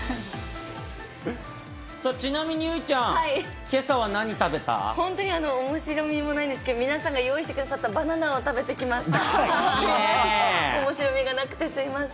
ちなみに結実ちゃん、けさは本当におもしろみもないんですけど、皆さんが用意してくださったバナナを食べてきました。